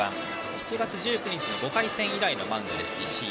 ７月１９日の５回戦以来のマウンド、石井。